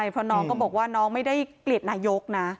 เพราะน้องก็บอกว่าน้องไม่ได้เกลียดนายกนะ